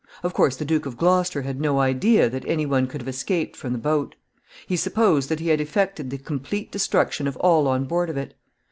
Of course the Duke of Gloucester had no idea that any one could have escaped from the boat. He supposed that he had effected the complete destruction of all on board of it.